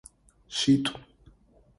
Шъитӏу.